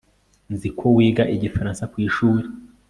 nzi ko wiga igifaransa kwishuri